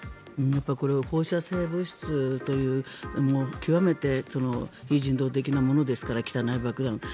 これは放射性物質という極めて非人道的なものですから汚い爆弾と。